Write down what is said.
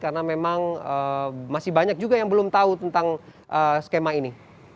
karena memang masih banyak juga yang belum tahu tentang skema ini